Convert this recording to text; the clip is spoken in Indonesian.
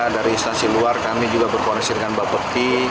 dari istansi luar kami juga berkoneksi dengan bapeti